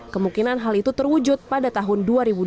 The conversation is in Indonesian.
kemungkinan hal itu terwujud pada tahun dua ribu dua puluh